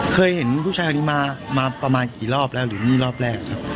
เคยเห็นผู้ชายคนนี้มาประมาณกี่รอบแล้วหรือนี่รอบแรกครับ